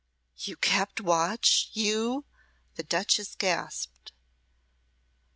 "You kept watch you?" the duchess gasped.